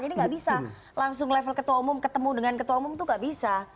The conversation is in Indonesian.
jadi gak bisa langsung level ketua umum ketemu dengan ketua umum itu gak bisa